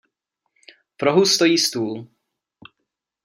V rohu stojí stůl.